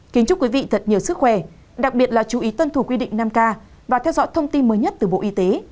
kính chúc quý vị thật nhiều sức khỏe đặc biệt là chú ý tuân thủ quy định năm k và theo dõi thông tin mới nhất từ bộ y tế